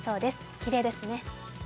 きれいですね。